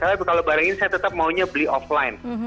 kalau barang ini saya tetap maunya beli offline